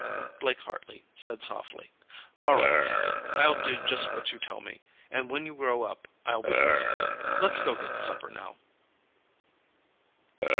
Blake Hartley said softly. "All right, son; I'll do just what you tell me, and when you grow up, I'll be president.... Let's go get supper, now."